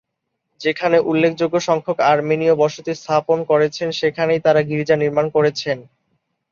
যেখানে উল্লেখযোগ্য সংখ্যক আর্মেনীয় বসতি স্থাপন করেছেন, সেখানেই তারা গির্জা নির্মাণ করেছেন।